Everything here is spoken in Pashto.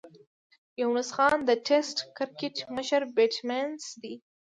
یونس خان د ټېسټ کرکټ مشر بېټسمېن دئ.